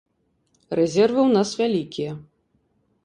Рэзервы ў нас вялікія.